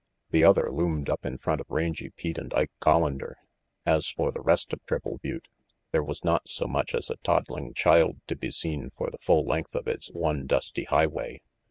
The other loomed up in front of Rangy Pete and Ike Collander. As for the rest of Triple Butte, there was not so much as a toddling child to be seen for the full length of its one dusty highway.